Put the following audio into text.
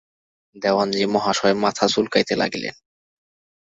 দেওয়ানজি মহাশয় মাথা চুলকাইতে লাগিলেন।